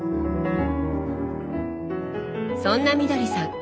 そんなみどりさん